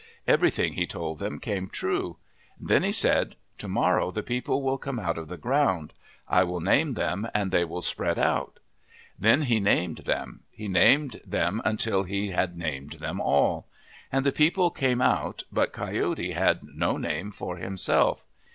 Everything he told them came true. Then he said, "To morrow the people will come out of the ground. I will name them and they will spread out." Then he named them ; he named them until he had named them all. And the people came out, but Coyote had no name for himself.